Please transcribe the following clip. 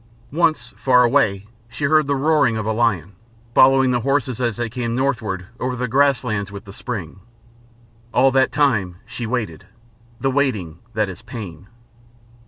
Once, far away, she heard the roaring of a lion, following the horses as they came northward over the grass lands with the spring. All that time she waited the waiting that is pain.